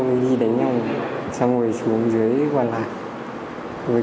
lý do đánh nhau là gì